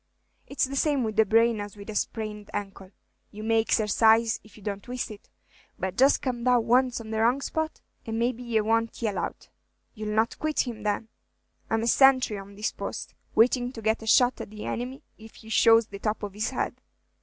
'T is the same with the brain as with a sprained ankle; you may exercise if you don't twist it; but just come down once on the wrong spot, and maybe ye won't yell out!" "You 'll not quit him, then." "I'm a senthry on his post, waiting to get a shot at the enemy if he shows the top of his head.